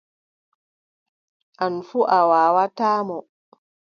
An fuu a waawataa mo.